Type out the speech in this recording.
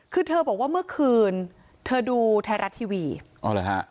คือเธอบอกว่าเมื่อคืนเธอดูไทยรัฐทีวีอ๋อเหรอฮะ